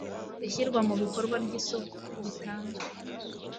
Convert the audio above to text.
ishyirwa mu bikorwa ry isoko gitanzwe